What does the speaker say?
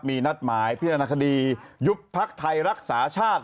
มีนัดหมายพิจารณาคดียุบพักไทยรักษาชาติ